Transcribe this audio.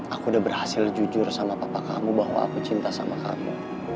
aku udah berhasil jujur sama papa kamu bahwa aku cinta sama kamu